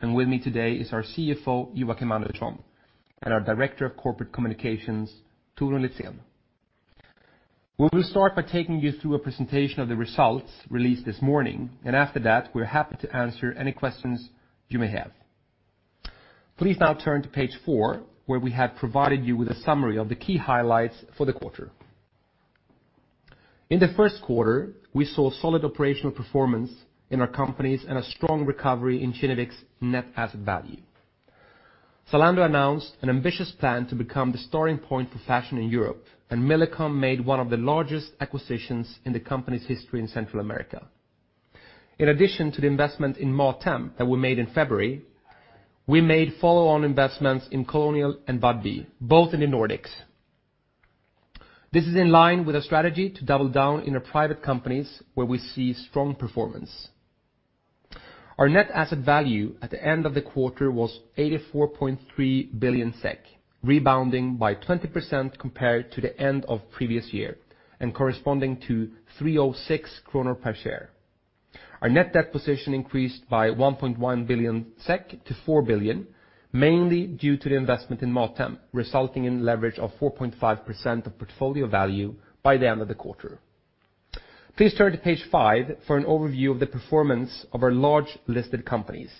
And with me today is our CFO, Joakim Andersson, and our Director of Corporate Communications, Torun Litzén. We will start by taking you through a presentation of the results released this morning, and after that, we are happy to answer any questions you may have. Please now turn to page four, where we have provided you with a summary of the key highlights for the quarter. In the first quarter, we saw solid operational performance in our companies and a strong recovery in Kinnevik's net asset value. Zalando announced an ambitious plan to become the starting point for fashion in Europe, and Millicom made one of the largest acquisitions in the company's history in Central America. In addition to the investment in MatHem that we made in February, we made follow-on investments in Kolonial.no and Budbee, both in the Nordics. This is in line with our strategy to double down in our private companies, where we see strong performance. Our net asset value at the end of the quarter was 84.3 billion SEK, rebounding by 20% compared to the end of previous year and corresponding to 306 kronor per share. Our net debt position increased by 1.1 billion SEK to 4 billion, mainly due to the investment in MatHem, resulting in leverage of 4.5% of portfolio value by the end of the quarter. Please turn to page five for an overview of the performance of our large listed companies.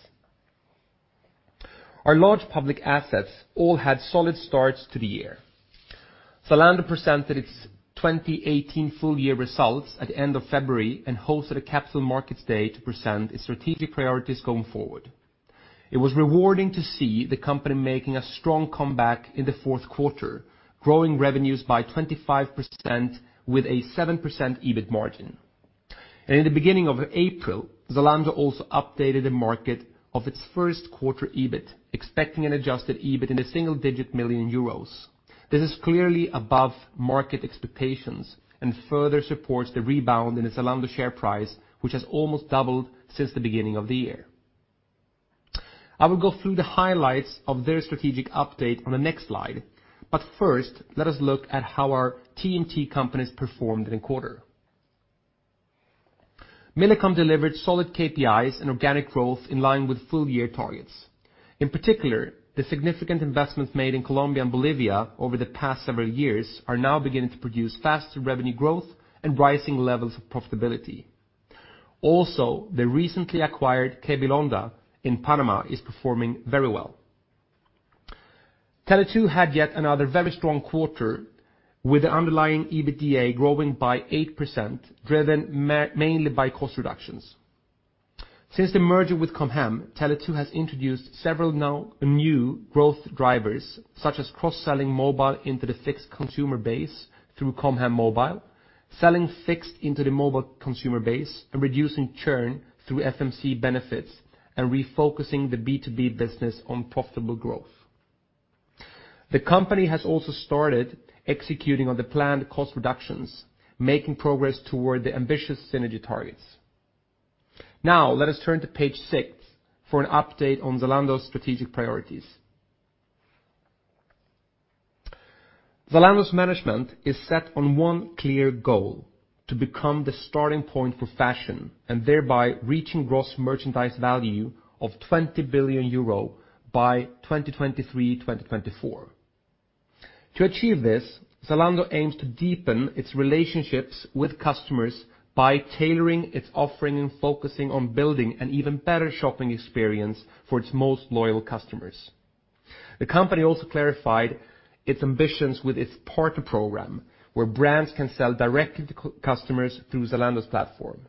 Our large public assets all had solid starts to the year. Zalando presented its 2018 full-year results at the end of February and hosted a capital markets day to present its strategic priorities going forward. It was rewarding to see the company making a strong comeback in the fourth quarter, growing revenues by 25% with a 7% EBIT margin. In the beginning of April, Zalando also updated the market of its first quarter EBIT, expecting an adjusted EBIT in the single-digit million EUR. This is clearly above market expectations and further supports the rebound in the Zalando share price, which has almost doubled since the beginning of the year. I will go through the highlights of their strategic update on the next slide, but first, let us look at how our TMT companies performed in the quarter. Millicom delivered solid KPIs and organic growth in line with full-year targets. In particular, the significant investments made in Colombia and Bolivia over the past several years are now beginning to produce faster revenue growth and rising levels of profitability. Also, the recently acquired Cable Onda in Panama is performing very well. Tele2 had yet another very strong quarter with the underlying EBITDA growing by 8%, driven mainly by cost reductions. Since the merger with Com Hem, Tele2 has introduced several new growth drivers such as cross-selling mobile into the fixed consumer base through Com Hem Mobile, selling fixed into the mobile consumer base and reducing churn through FMC benefits, and refocusing the B2B business on profitable growth. The company has also started executing on the planned cost reductions, making progress toward the ambitious synergy targets. Now, let us turn to page six for an update on Zalando's strategic priorities. Zalando's management is set on one clear goal, to become the starting point for fashion and thereby reaching gross merchandise value of 20 billion euro by 2023, 2024. To achieve this, Zalando aims to deepen its relationships with customers by tailoring its offering and focusing on building an even better shopping experience for its most loyal customers. The company also clarified its ambitions with its partner program, where brands can sell directly to customers through Zalando's platform.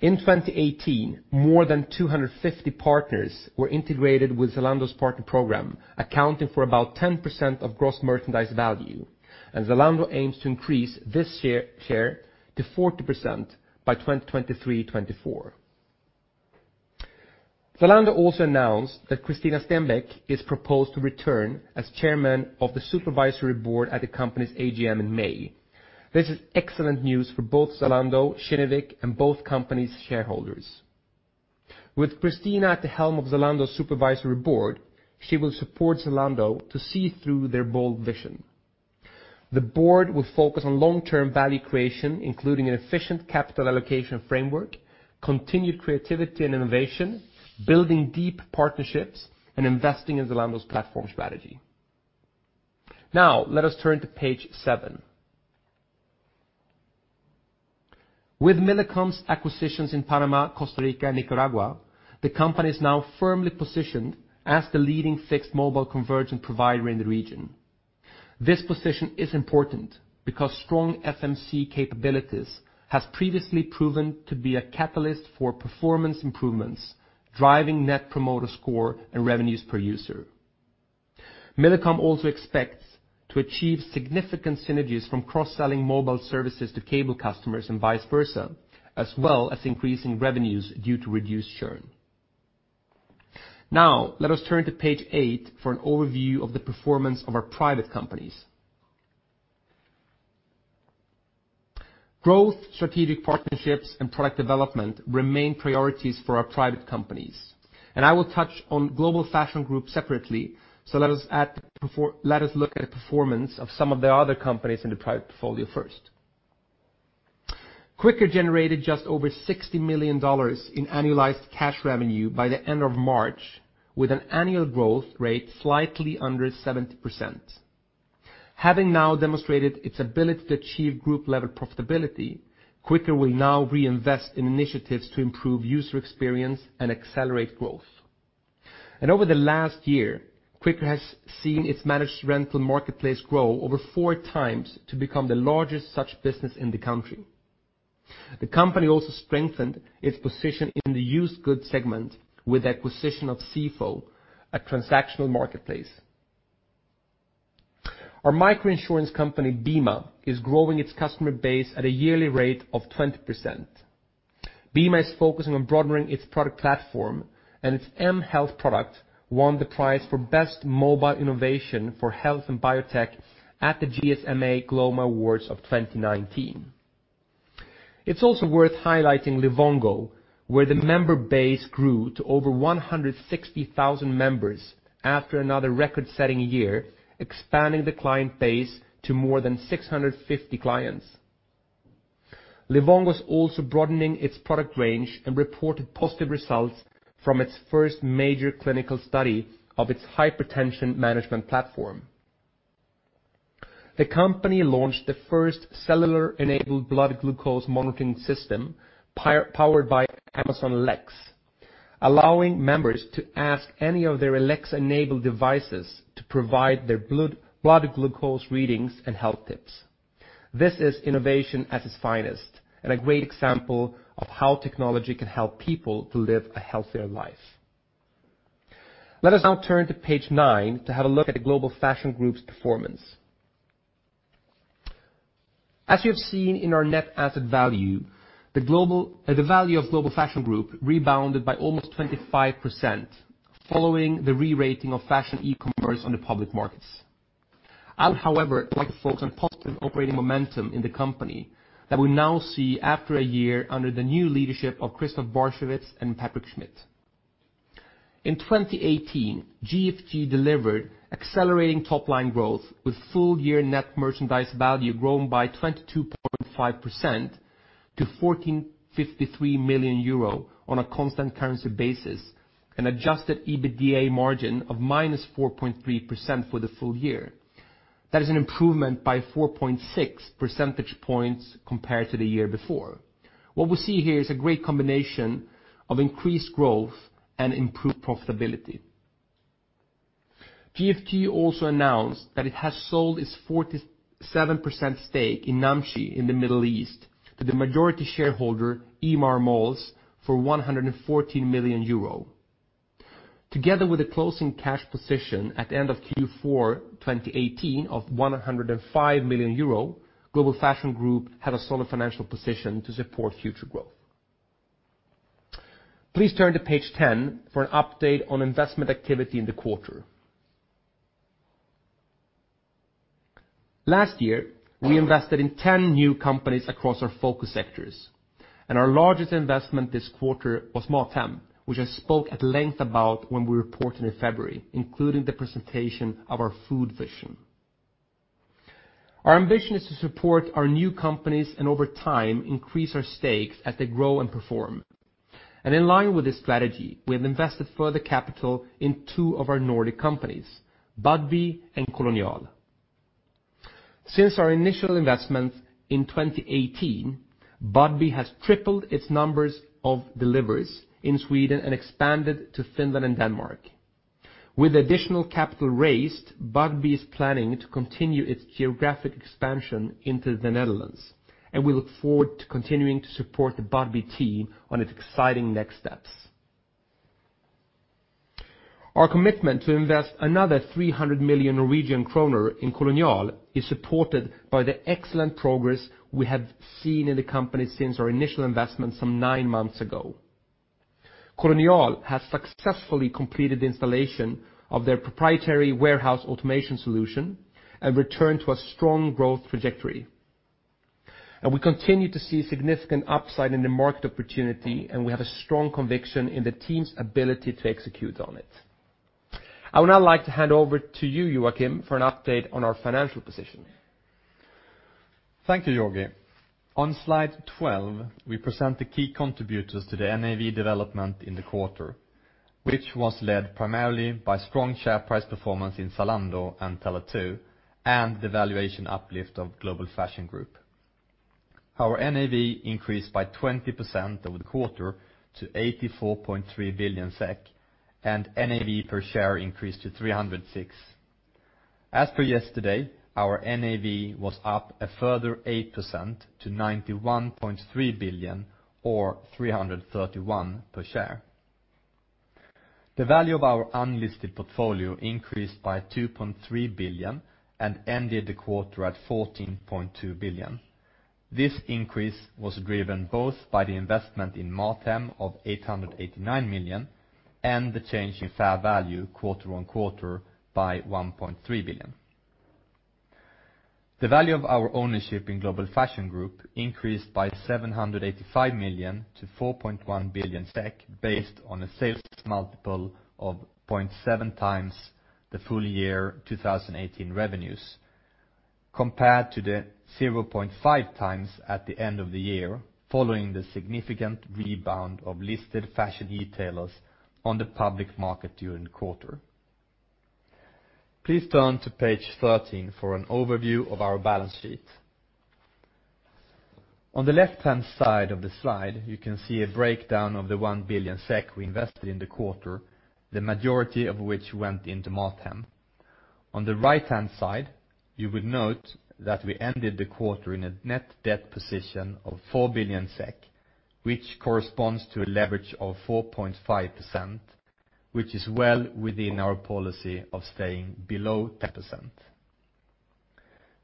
In 2018, more than 250 partners were integrated with Zalando's partner program, accounting for about 10% of gross merchandise value, and Zalando aims to increase this share to 40% by 2023, 2024. Zalando also announced that Cristina Stenbeck is proposed to return as chairman of the supervisory board at the company's AGM in May. This is excellent news for both Zalando, Kinnevik, and both companies' shareholders. With Cristina at the helm of Zalando's supervisory board, she will support Zalando to see through their bold vision. The board will focus on long-term value creation, including an efficient capital allocation framework, continued creativity and innovation, building deep partnerships, and investing in Zalando's platform strategy. Let us turn to page seven. With Millicom's acquisitions in Panama, Costa Rica, and Nicaragua, the company is now firmly positioned as the leading fixed mobile convergent provider in the region. This position is important because strong FMC capabilities have previously proven to be a catalyst for performance improvements, driving net promoter score and revenues per user. Millicom also expects to achieve significant synergies from cross-selling mobile services to cable customers and vice versa, as well as increasing revenues due to reduced churn. Let us turn to page eight for an overview of the performance of our private companies. Growth, strategic partnerships, and product development remain priorities for our private companies. I will touch on Global Fashion Group separately, so let us look at the performance of some of the other companies in the private portfolio first. Quikr generated just over $60 million in annualized cash revenue by the end of March, with an annual growth rate slightly under 70%. Having now demonstrated its ability to achieve group-level profitability, Quikr will now reinvest in initiatives to improve user experience and accelerate growth. Over the last year, Quikr has seen its managed rental marketplace grow over four times to become the largest such business in the country. The company also strengthened its position in the used goods segment with acquisition of Zefo, a transactional marketplace. Our micro-insurance company, Bima, is growing its customer base at a yearly rate of 20%. Bima is focusing on broadening its product platform. Its mHealth product won the prize for best mobile innovation for health and biotech at the GSMA GLOMO Awards of 2019. It is also worth highlighting Livongo, where the member base grew to over 160,000 members after another record-setting year, expanding the client base to more than 650 clients. Livongo is also broadening its product range and reported positive results from its first major clinical study of its hypertension management platform. The company launched the first cellular-enabled blood glucose monitoring system powered by Amazon Alexa, allowing members to ask any of their Alexa-enabled devices to provide their blood glucose readings and health tips. This is innovation at its finest and a great example of how technology can help people to live a healthier life. Let us now turn to page nine to have a look at the Global Fashion Group's performance. As you have seen in our NAV, the value of Global Fashion Group rebounded by almost 25% following the re-rating of fashion e-commerce on the public markets. I would, however, like to focus on positive operating momentum in the company that we now see after a year under the new leadership of Christoph Barchewitz and Patrick Schmidt. In 2018, GFG delivered accelerating top-line growth with full year net merchandise value grown by 22.5% to 1,453 million euro on a constant currency basis and adjusted EBITDA margin of -4.3% for the full year. That is an improvement by 4.6 percentage points compared to the year before. What we see here is a great combination of increased growth and improved profitability. GFG also announced that it has sold its 47% stake in Namshi in the Middle East to the majority shareholder, Emaar Malls, for 114 million euro. Together with the closing cash position at the end of Q4 2018 of 105 million euro, Global Fashion Group had a solid financial position to support future growth. Please turn to page 10 for an update on investment activity in the quarter. Last year, we invested in 10 new companies across our focus sectors, and our largest investment this quarter was Mathem, which I spoke at length about when we reported in February, including the presentation of our food vision. Our ambition is to support our new companies and over time increase our stakes as they grow and perform. In line with this strategy, we have invested further capital in two of our Nordic companies, Budbee and Kolonial.no. Since our initial investment in 2018, Budbee has tripled its numbers of deliveries in Sweden and expanded to Finland and Denmark. With additional capital raised, Budbee is planning to continue its geographic expansion into the Netherlands, and we look forward to continuing to support the Budbee team on its exciting next steps. Our commitment to invest another 300 million Norwegian kroner in Kolonial.no is supported by the excellent progress we have seen in the company since our initial investment some nine months ago. Kolonial.no has successfully completed installation of their proprietary warehouse automation solution and returned to a strong growth trajectory. We continue to see significant upside in the market opportunity, and we have a strong conviction in the team's ability to execute on it. I would now like to hand over to you, Joakim, for an update on our financial position. Thank you, Georgi. On slide 12, we present the key contributors to the NAV development in the quarter, which was led primarily by strong share price performance in Zalando and Tele2 and the valuation uplift of Global Fashion Group. Our NAV increased by 20% over the quarter to 84.3 billion SEK, and NAV per share increased to 306. As per yesterday, our NAV was up a further 8% to 91.3 billion or 331 per share. The value of our unlisted portfolio increased by 2.3 billion and ended the quarter at 14.2 billion. This increase was driven both by the investment in Mathem of 889 million and the change in fair value quarter on quarter by 1.3 billion. The value of our ownership in Global Fashion Group increased by 785 million to 4.1 billion SEK based on a sales multiple of 0.7x the full year 2018 revenues. Compared to the 0.5x at the end of the year, following the significant rebound of listed fashion retailers on the public market during the quarter. Please turn to page 13 for an overview of our balance sheet. On the left-hand side of the slide, you can see a breakdown of the 1 billion SEK we invested in the quarter, the majority of which went into MatHem. On the right-hand side, you will note that we ended the quarter in a net debt position of 4 billion SEK, which corresponds to a leverage of 4.5%, which is well within our policy of staying below 10%.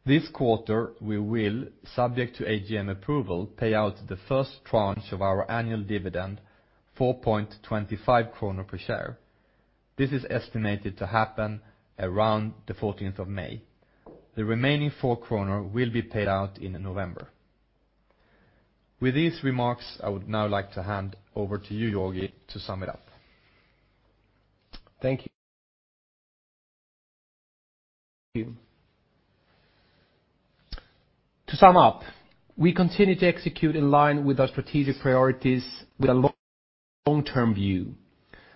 This quarter, we will, subject to AGM approval, pay out the first tranche of our annual dividend, 4.25 kronor per share. This is estimated to happen around the 14th of May. The remaining 4 kronor will be paid out in November. With these remarks, I would now like to hand over to you, Georgi, to sum it up. Thank you. To sum up, we continue to execute in line with our strategic priorities with a long-term view,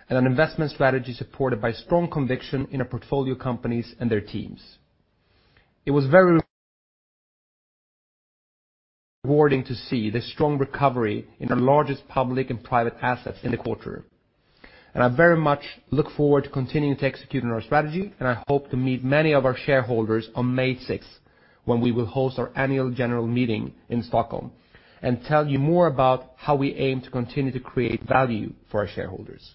and an investment strategy supported by strong conviction in our portfolio companies and their teams. It was very rewarding to see the strong recovery in our largest public and private assets in the quarter. I very much look forward to continuing to execute on our strategy, and I hope to meet many of our shareholders on May 6th, when we will host our annual general meeting in Stockholm and tell you more about how we aim to continue to create value for our shareholders.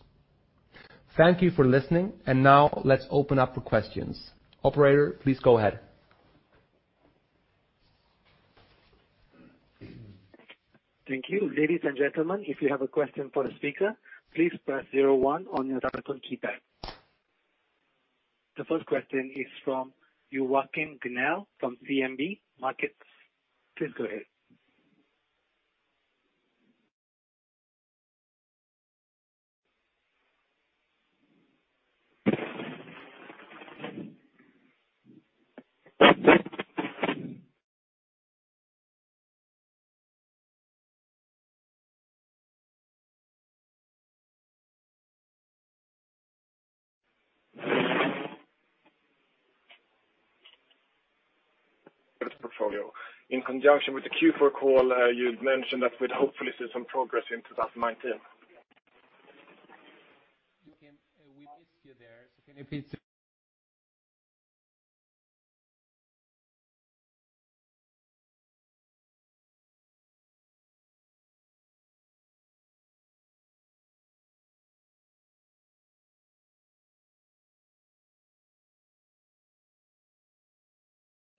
Thank you for listening, and now let's open up for questions. Operator, please go ahead. Thank you. Ladies and gentlemen, if you have a question for the speaker, please press 01 on your telephone keypad. The first question is from Joachim Gunell from DNB Markets. Please go ahead. portfolio. In conjunction with the Q4 call, you'd mentioned that we'd hopefully see some progress in 2019. Joakim, we missed you there. Can you please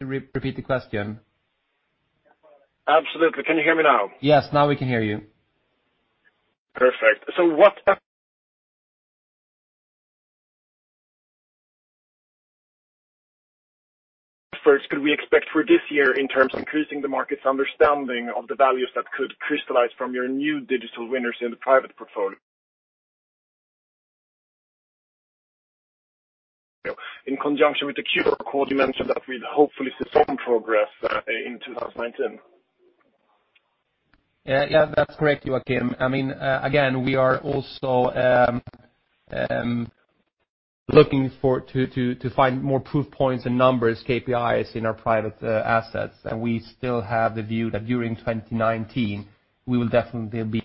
repeat the question? Absolutely. Can you hear me now? Yes, now we can hear you. Perfect. What efforts could we expect for this year in terms of increasing the market's understanding of the values that could crystallize from your new digital winners in the private portfolio? In conjunction with the Q4 call mentioned that we'd hopefully see some progress in 2019. Yeah, that's correct, Joakim. Again, we are also looking to find more proof points and numbers, KPIs in our private assets. We still have the view that during 2019, we will definitely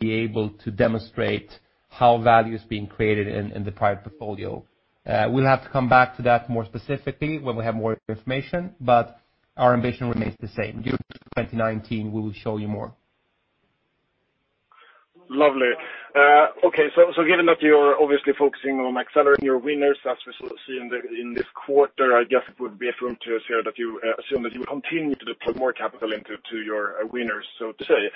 be able to demonstrate how value is being created in the private portfolio. We'll have to come back to that more specifically when we have more information, but our ambition remains the same. During 2019, we will show you more. Lovely. Okay. Given that you're obviously focusing on accelerating your winners, as we see in this quarter, I guess it would be affirmed to us here that you assume that you will continue to deploy more capital into your winners, so to say.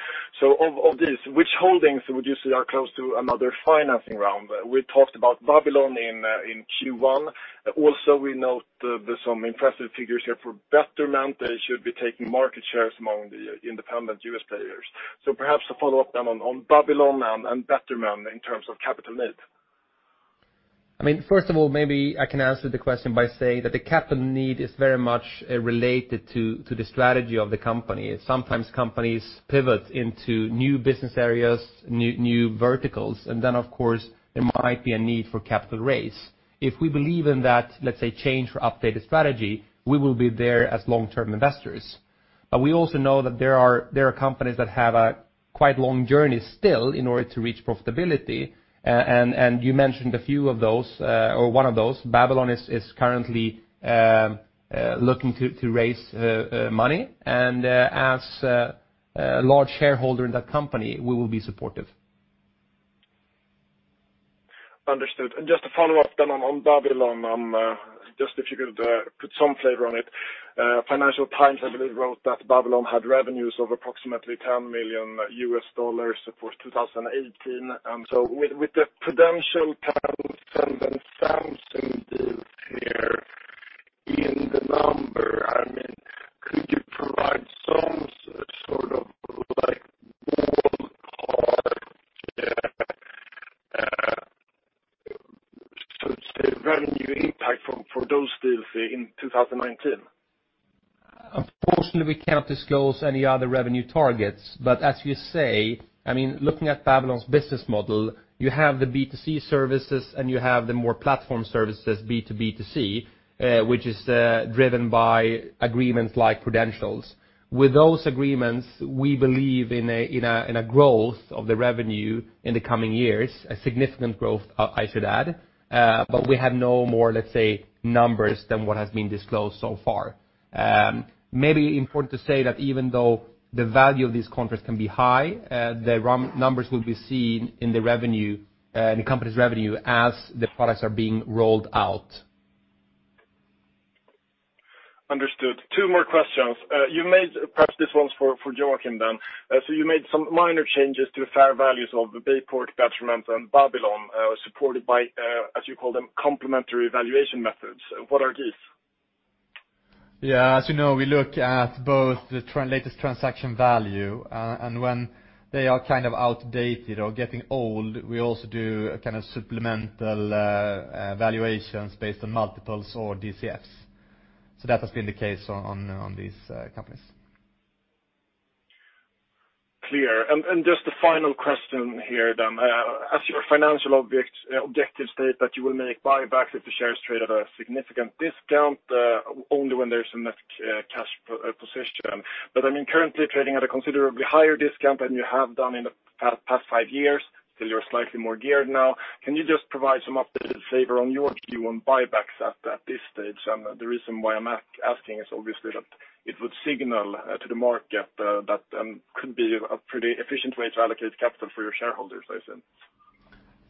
Of this, which holdings would you say are close to another financing round? We talked about Babylon in Q1. Also, we note there's some impressive figures here for Betterment. They should be taking market shares among the independent U.S. players. Perhaps to follow up then on Babylon and Betterment in terms of capital need. First of all, maybe I can answer the question by saying that the capital need is very much related to the strategy of the company. Sometimes companies pivot into new business areas, new verticals, and then of course, there might be a need for capital raise. If we believe in that, let's say change or updated strategy, we will be there as long-term investors. We also know that there are companies that have a quite long journey still in order to reach profitability, and you mentioned a few of those, or one of those. Babylon is currently looking to raise money, and as a large shareholder in that company, we will be supportive. Understood. Just to follow up on Babylon, if you could put some flavor on it. Financial Times, I believe, wrote that Babylon had revenues of approximately $10 million for 2018. With the Prudential, Canon, and Samsung deals here in the numbers, are the revenue impact for those deals in 2019? Unfortunately, we can't disclose any other revenue targets. As you say, looking at Babylon's business model, you have the B2C services and you have the more platform services, B2B2C, which is driven by agreements like Prudential. With those agreements, we believe in a growth of the revenue in the coming years, a significant growth, I should add. We have no more, let's say, numbers than what has been disclosed so far. Maybe important to say that even though the value of these contracts can be high, the numbers will be seen in the company's revenue as the products are being rolled out. Understood. Two more questions. Perhaps this one's for Joakim. You made some minor changes to the fair values of the Bayport, Betterment, and Babylon, supported by, as you call them, complementary valuation methods. What are these? As you know, we look at both the latest transaction value, and when they are kind of outdated or getting old, we also do a supplemental valuations based on multiples or DCFs. That has been the case on these companies. Clear. Just a final question here. As your financial objectives state that you will make buybacks if the shares trade at a significant discount, only when there's enough cash position. Currently trading at a considerably higher discount than you have done in the past five years, still you're slightly more geared now. Can you just provide some updated flavor on your view on buybacks at this stage? The reason why I'm asking is obviously that it would signal to the market that could be a pretty efficient way to allocate capital for your shareholders, I assume.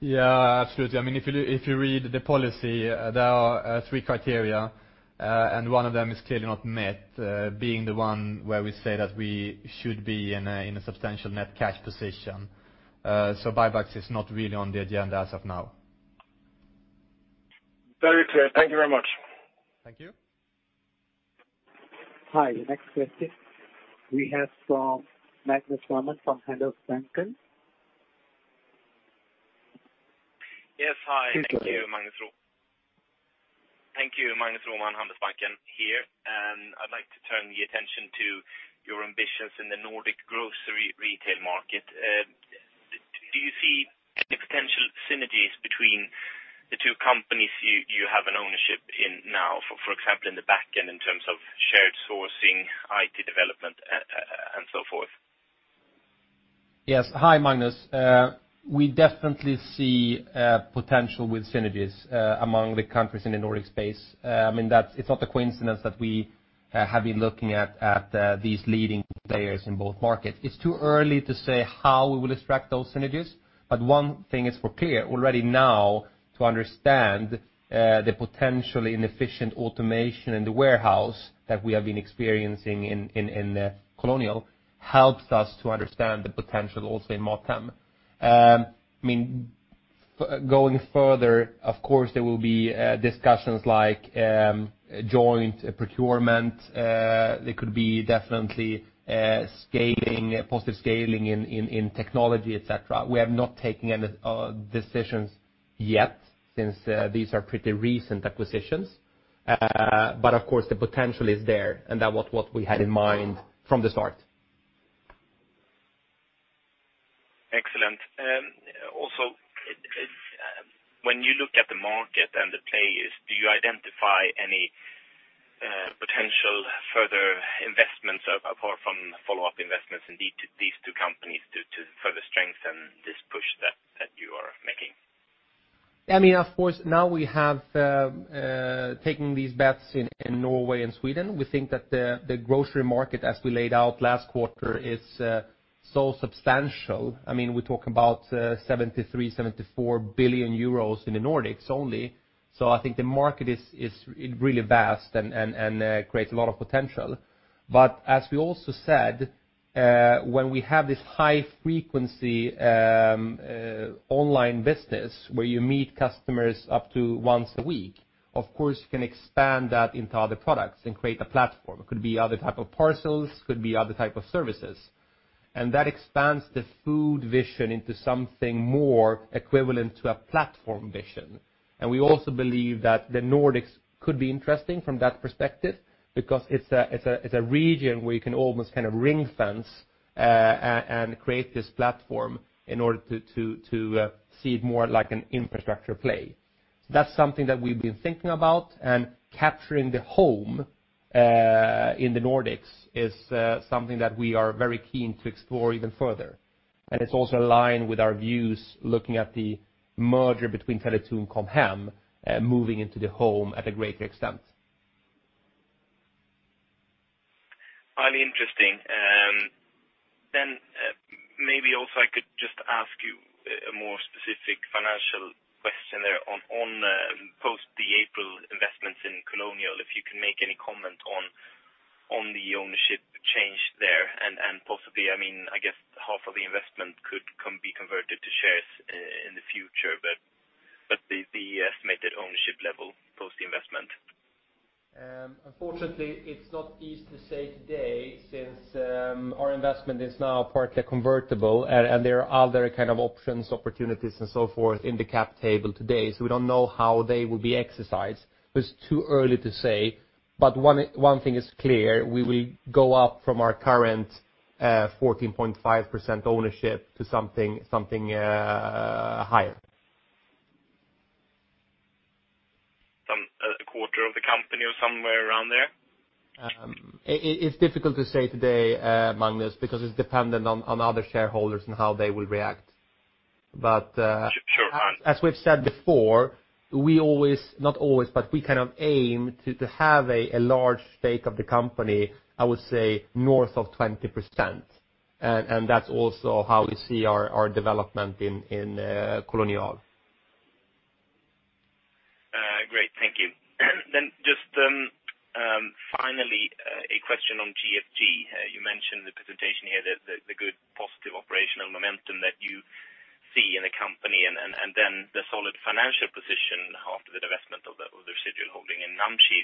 Yeah, absolutely. If you read the policy, there are three criteria, and one of them is clearly not met, being the one where we say that we should be in a substantial net cash position. Buybacks is not really on the agenda as of now. Very clear. Thank you very much. Thank you. Hi, next question we have from Magnus Råman from Handelsbanken. Yes, hi. Please go ahead. Thank you, Magnus Roman, Handelsbanken here. I'd like to turn the attention to your ambitions in the Nordic grocery retail market. Do you see any potential synergies between the two companies you have an ownership in now, for example, in the back end in terms of shared sourcing, IT development, and so forth? Yes. Hi, Magnus. We definitely see potential with synergies among the countries in the Nordic space. It's not a coincidence that we have been looking at these leading players in both markets. It's too early to say how we will extract those synergies, but one thing is for clear already now to understand the potential in efficient automation in the warehouse that we have been experiencing in Kolonial.no helps us to understand the potential also in MatHem. Going further, of course, there will be discussions like joint procurement. There could be definitely positive scaling in technology, et cetera. We have not taken any decisions yet since these are pretty recent acquisitions. Of course, the potential is there, and that was what we had in mind from the start. Excellent. When you look at the market and the players, do you identify any potential further investments apart from follow-up investments in these two companies to further strengthen this push that you are making? Of course, now we have taken these bets in Norway and Sweden. We think that the grocery market, as we laid out last quarter, is so substantial. We're talking about 73 billion, 74 billion euros in the Nordics only. I think the market is really vast and creates a lot of potential. As we also said, when we have this high-frequency online business where you meet customers up to once a week, of course, you can expand that into other products and create a platform. It could be other type of parcels, could be other type of services. That expands the food vision into something more equivalent to a platform vision. We also believe that the Nordics could be interesting from that perspective because it's a region where you can almost ring-fence and create this platform in order to see it more like an infrastructure play. That's something that we've been thinking about, capturing the home in the Nordics is something that we are very keen to explore even further. It's also aligned with our views looking at the merger between Tele2 and Com Hem moving into the home at a greater extent. Highly interesting. Maybe also I could just ask you a more specific financial question there on post the April investments in Kolonial.no, if you can make any comment on the ownership change there and possibly, I guess half of the investment could be converted to shares in the future, but the estimated ownership level post the investment? Unfortunately, it's not easy to say today since our investment is now partly convertible and there are other kind of options, opportunities, and so forth in the cap table today, so we don't know how they will be exercised. It's too early to say, but one thing is clear, we will go up from our current 14.5% ownership to something higher. A quarter of the company or somewhere around there? It's difficult to say today, Magnus, because it's dependent on other shareholders and how they will react. Sure as we've said before, we kind of aim to have a large stake of the company, I would say, north of 20%, and that's also how we see our development in Kolonial.no. Great. Thank you. Just finally, a question on GFG. You mentioned the presentation here that the good positive operational momentum that you see in the company and the solid financial position after the divestment of the residual holding in Namshi.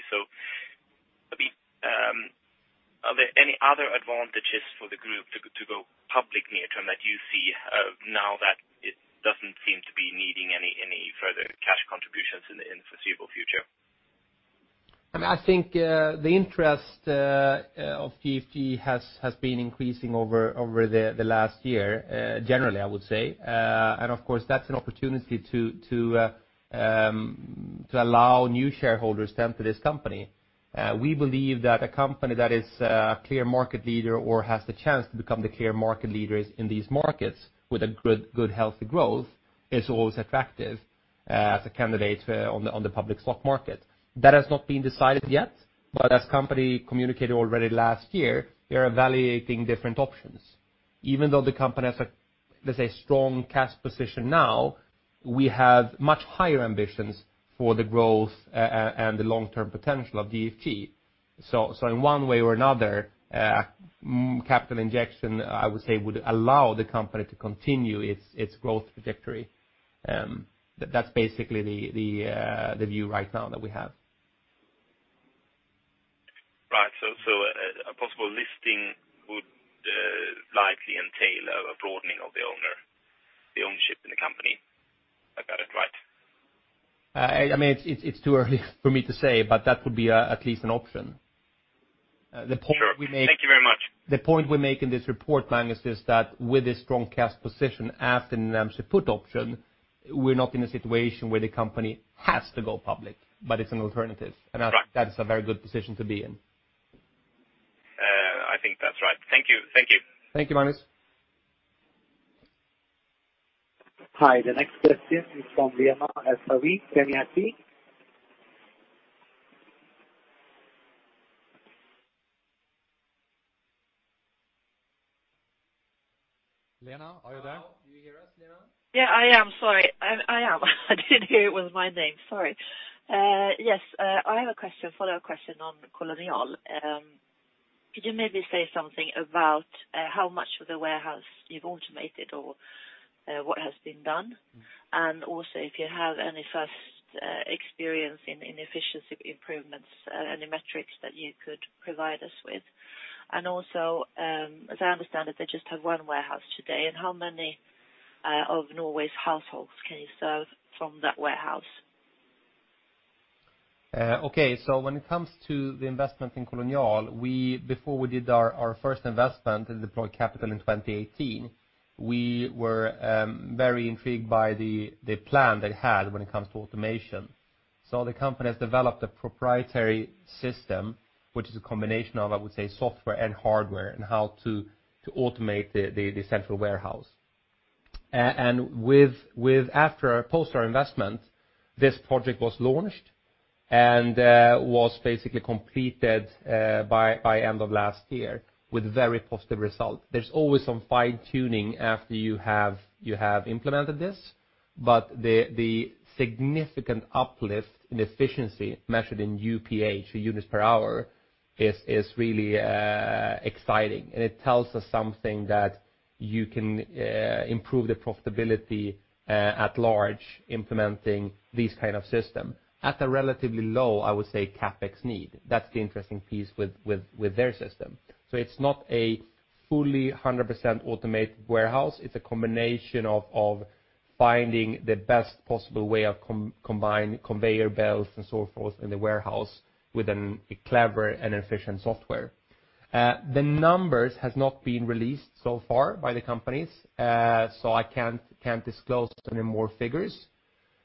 Are there any other advantages for the group to go public near-term that you see now that it doesn't seem to be needing any further cash contributions in the foreseeable future? I think the interest of GFG has been increasing over the last year, generally, I would say. Of course, that's an opportunity to allow new shareholders then to this company. We believe that a company that is a clear market leader or has the chance to become the clear market leaders in these markets with a good healthy growth is always attractive as a candidate on the public stock market. That has not been decided yet, as company communicated already last year, we are evaluating different options. Even though the company has a strong cash position now, we have much higher ambitions for the growth and the long-term potential of GFG. In one way or another, capital injection, I would say, would allow the company to continue its growth trajectory. That's basically the view right now that we have. Right. A possible listing would likely entail a broadening of the ownership in the company. I got it right? It's too early for me to say, but that would be at least an option. The point we make- Sure. Thank you very much The point we make in this report, Magnus, is that with a strong cash position as the Namshi put option, we're not in a situation where the company has to go public, but it's an alternative. Right. I think that is a very good position to be in. I think that's right. Thank you. Thank you, Magnus. Hi. The next question is from Lena Österberg, Carnegie. Lena, are you there? Hello. Do you hear us, Lena? Yeah, I am. Sorry. I am. I didn't hear it was my name. Sorry. Yes. I have a follow-up question on Kolonial.no. Could you maybe say something about how much of the warehouse you've automated or what has been done? Also if you have any first experience in efficiency improvements, any metrics that you could provide us with? Also, as I understand it, they just have one warehouse today, and how many of Norway's households can you serve from that warehouse? Okay. When it comes to the investment in Kolonial.no, before we did our first investment and deployed capital in 2018, we were very intrigued by the plan they had when it comes to automation. The company has developed a proprietary system, which is a combination of, I would say, software and hardware and how to automate the central warehouse. Post our investment, this project was launched and was basically completed by end of last year with very positive results. There's always some fine-tuning after you have implemented this, but the significant uplift in efficiency measured in UPH, so units per hour, is really exciting. It tells us something that you can improve the profitability at large, implementing these kind of system at a relatively low, I would say, CapEx need. That's the interesting piece with their system. It's not a fully 100% automated warehouse. It's a combination of finding the best possible way of combining conveyor belts and so forth in the warehouse with a clever and efficient software. The numbers has not been released so far by the companies, I can't disclose any more figures.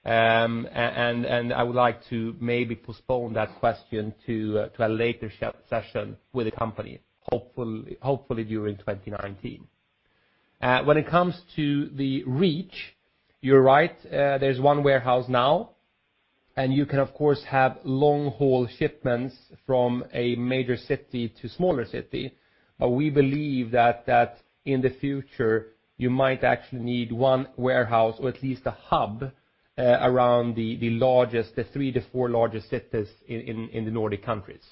I would like to maybe postpone that question to a later session with the company, hopefully during 2019. When it comes to the reach, you're right. There's one warehouse now, and you can of course have long-haul shipments from a major city to smaller city. We believe that in the future, you might actually need one warehouse or at least a hub around the three to four largest cities in the Nordic countries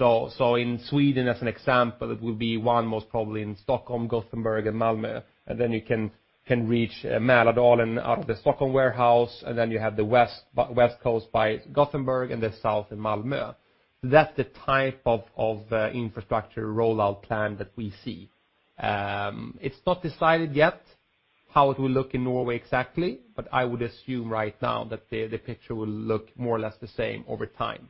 In Sweden as an example, it will be one most probably in Stockholm, Gothenburg and Malmö. You can reach Mälardalen out of the Stockholm warehouse, you have the West Coast by Gothenburg and the south in Malmö. That's the type of infrastructure rollout plan that we see. It's not decided yet how it will look in Norway exactly, but I would assume right now that the picture will look more or less the same over time.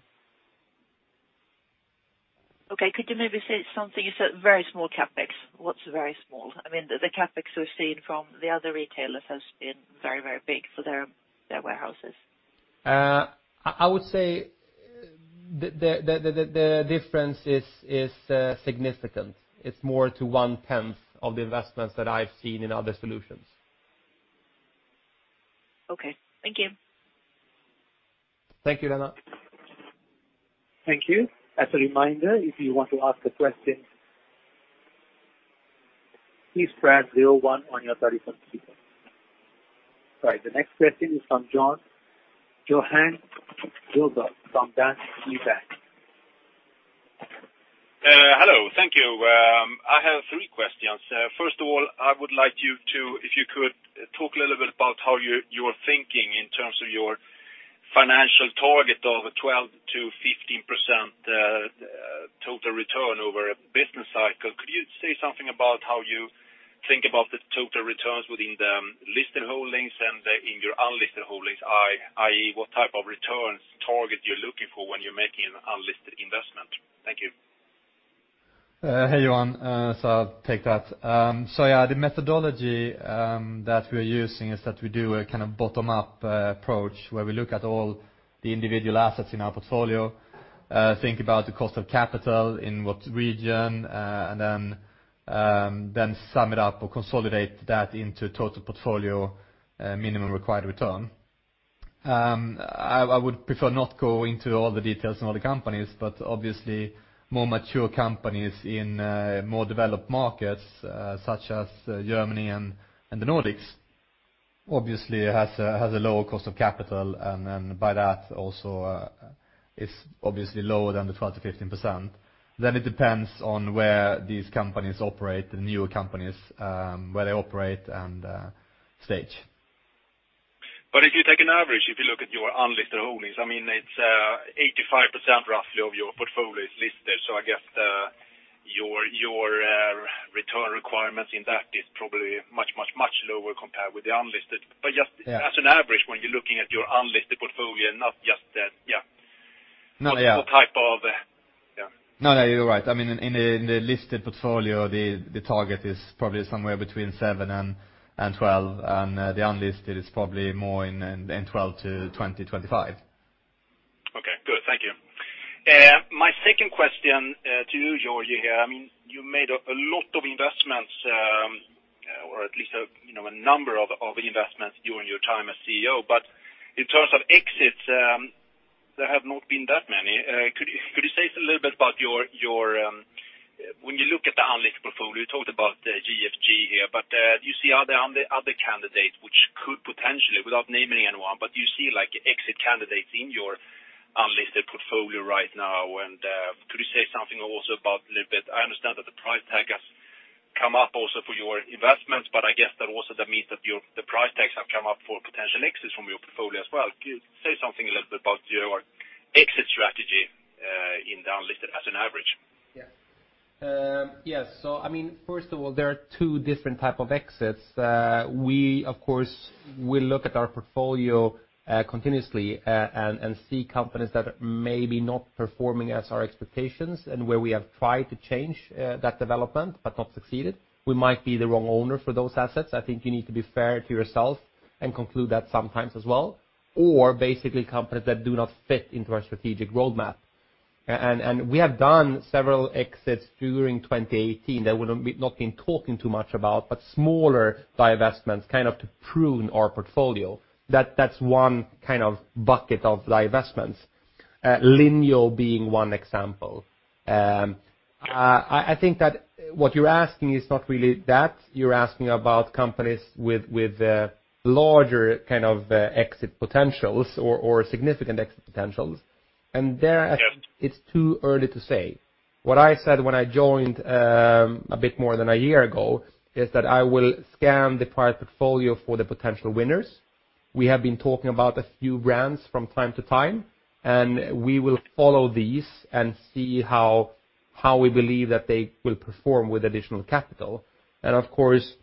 Okay. Could you maybe say something? You said very small CapEx. What's very small? The CapEx we've seen from the other retailers has been very big for their warehouses. I would say the difference is significant. It's more to one-tenth of the investments that I've seen in other solutions. Okay. Thank you. Thank you, Lena. Thank you. As a reminder, if you want to ask a question, please press 01 on your 30 participants. All right, the next question is from Johan Sjöberg from DNB. Hello. Thank you. I have three questions. First of all, I would like you to, if you could, talk a little bit about how you are thinking in terms of your financial target of 12%-15% total return over a business cycle. Could you say something about how you think about the total returns within the listed holdings and in your unlisted holdings, i.e., what type of returns target you're looking for when you're making an unlisted investment? Thank you. Hey, Johan. I'll take that. Yeah, the methodology that we're using is that we do a kind of bottom-up approach where we look at all the individual assets in our portfolio, think about the cost of capital in what region, and then sum it up or consolidate that into total portfolio minimum required return. I would prefer not go into all the details in all the companies, but obviously more mature companies in more developed markets such as Germany and the Nordics obviously has a lower cost of capital, and then by that also is obviously lower than the 12%-15%. It depends on where these companies operate, the newer companies where they operate and stage. If you take an average, if you look at your unlisted holdings, it's 85% roughly of your portfolio is listed. I guess your return requirements in that is probably much lower compared with the unlisted. Yeah As an average when you're looking at your unlisted portfolio. No, yeah. What type of. No, you're right. In the listed portfolio, the target is probably somewhere between 7% and 12%, and the unlisted is probably more in 12%-20%, 25%. Okay, good. Thank you. My second question to you, Georgi here. You made a lot of investments or at least a number of investments during your time as CEO. In terms of exits, there have not been that many. Could you say a little bit about your When you look at the unlisted portfolio, you talked about GFG here, but do you see are there other candidates which could potentially, without naming anyone, but do you see exit candidates in your unlisted portfolio right now? Could you say something also about a little bit, I understand that the price tag has come up also for your investments, but I guess that also that means that the price tags have come up for potential exits from your portfolio as well. Could you say something a little bit about your exit strategy in the unlisted as an average? Yes. Yes. First of all, there are two different type of exits. We, of course, will look at our portfolio continuously and see companies that are maybe not performing as our expectations and where we have tried to change that development but not succeeded. We might be the wrong owner for those assets. I think you need to be fair to yourself and conclude that sometimes as well. Basically companies that do not fit into our strategic roadmap. We have done several exits during 2018 that we've not been talking too much about, but smaller divestments kind of to prune our portfolio. That's one kind of bucket of divestments. [Lineal] being one example. I think that what you're asking is not really that, you're asking about companies with larger exit potentials or significant exit potentials. There- Yes It's too early to say. What I said when I joined a bit more than a year ago is that I will scan the entire portfolio for the potential winners. We have been talking about a few brands from time to time, we will follow these and see how we believe that they will perform with additional capital. Of course,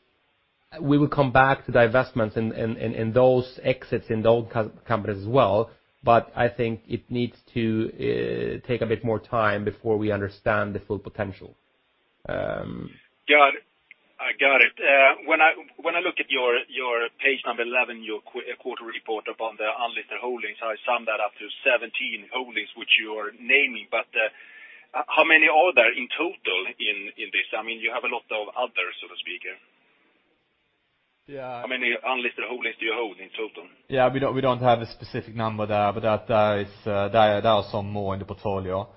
we will come back to divestments in those exits in those companies as well. I think it needs to take a bit more time before we understand the full potential. Got it. When I look at your page 11, your quarter report upon the unlisted holdings, I sum that up to 17 holdings which you are naming. How many are there in total in this? You have a lot of others, so to speak. Yeah. How many unlisted holdings do you hold in total? Yeah, we don't have a specific number there, but there are some more in the portfolio.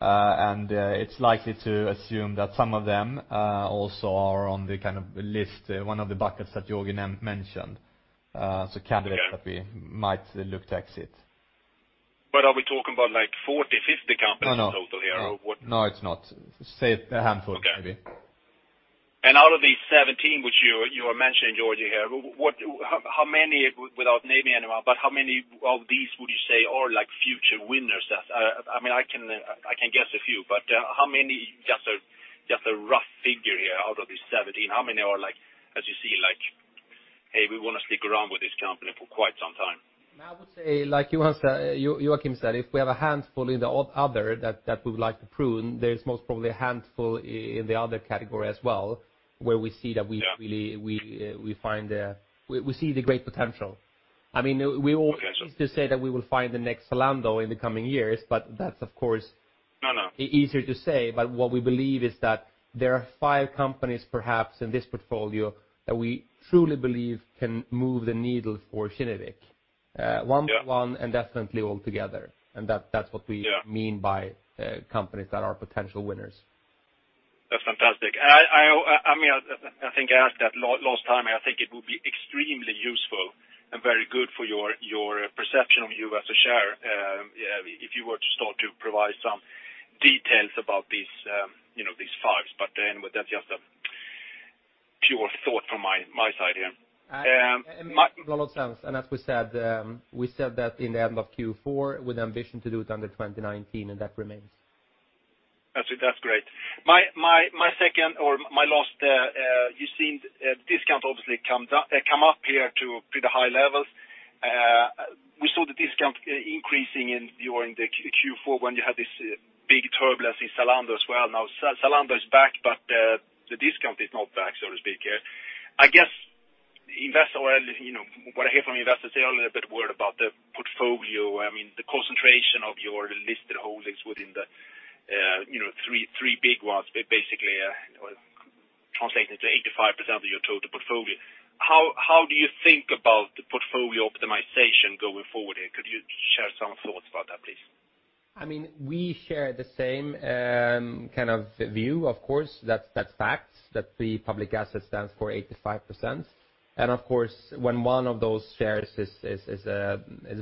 It's likely to assume that some of them also are on the list, one of the buckets that Georgi mentioned. Candidates that we might look to exit. Are we talking about 40, 50 companies in total here? No, it's not. Say a handful maybe. Okay. Out of these 17, which you were mentioning, Georgi here, without naming anyone, how many of these would you say are future winners? I can guess a few, how many, just a rough figure here, out of these 17, how many are, as you see, "Hey, we want to stick around with this company for quite some time. I would say, like Joakim said, if we have a handful in the other that we would like to prune, there's most probably a handful in the other category as well, where we see the great potential. Okay. We all choose to say that we will find the next Zalando in the coming years. No Easier to say. What we believe is that there are five companies perhaps in this portfolio that we truly believe can move the needle for Kinnevik, one and definitely all together. That's what we mean by companies that are potential winners. That's fantastic. I think I asked that last time. I think it would be extremely useful and very good for your perception of you as a sharer, if you were to start to provide some details about these fives. That's just a pure thought from my side here. It makes a lot of sense. As we said, we said that in the end of Q4 with ambition to do it under 2019. That remains. Actually, that's great. My second or my last, you've seen discount obviously come up here to pretty high levels. We saw the discount increasing during the Q4 when you had this big turbulence in Zalando as well. Now Zalando is back, but the discount is not back, so to speak. What I hear from investors, they are a little bit worried about the portfolio. The concentration of your listed holdings within the three big ones, basically translating to 85% of your total portfolio. How do you think about the portfolio optimization going forward? Could you share some thoughts about that, please? We share the same kind of view, of course. That's facts that the public asset stands for 85%. Of course, when one of those shares is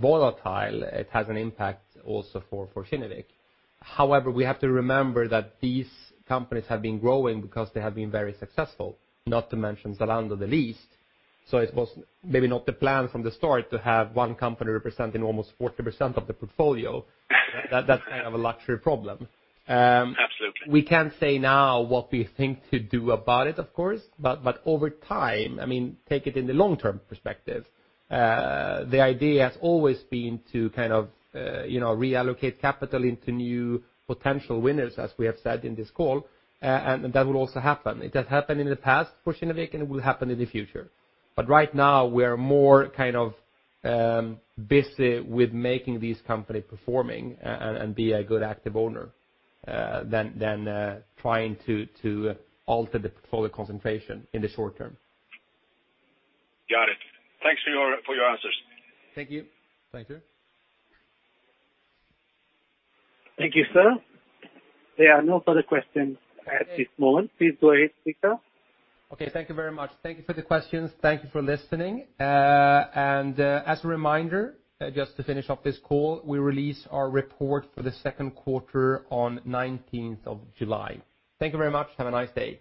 volatile, it has an impact also for Kinnevik. However, we have to remember that these companies have been growing because they have been very successful, not to mention Zalando the least. It was maybe not the plan from the start to have one company representing almost 40% of the portfolio. That's kind of a luxury problem. Absolutely. We can't say now what we think to do about it, of course. Over time, take it in the long-term perspective. The idea has always been to reallocate capital into new potential winners, as we have said in this call. That will also happen. It has happened in the past for Kinnevik, and it will happen in the future. Right now, we are more busy with making these company performing and be a good active owner than trying to alter the portfolio concentration in the short term. Got it. Thanks for your answers. Thank you. Thank you. Thank you, sir. There are no further questions at this moment. Please go ahead, Victor. Okay. Thank you very much. Thank you for the questions. Thank you for listening. As a reminder, just to finish off this call, we release our report for the second quarter on 19th of July. Thank you very much. Have a nice day.